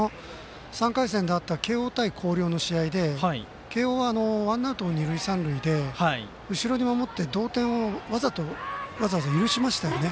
３回戦であった慶応対広陵の試合で慶応はワンアウト、二塁三塁で後ろに守って、同点をわざわざ許しましたよね。